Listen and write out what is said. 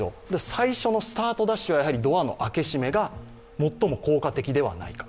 最初のスタートダッシュはドアの開け閉めが最も効果的ではないか。